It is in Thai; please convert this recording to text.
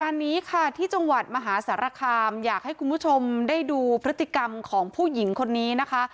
นี้ค่ะที่จังหวัดมหาสารคามอยากให้คุณผู้ชมได้ดูพฤติกรรมของผู้หญิงคนนี้นะคะ